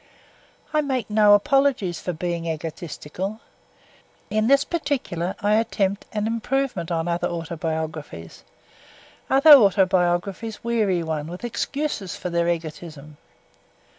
_ _I make no apologies for being egotistical. In this particular I attempt an improvement on other autobiographies. Other autobiographies weary one with excuses for their egotism.